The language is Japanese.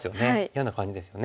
嫌な感じですよね。